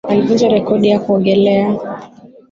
Alivunja rekodi ya kuogelea